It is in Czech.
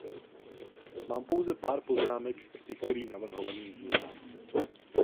Mám pouze pár poznámek k některým navrhovaným změnám.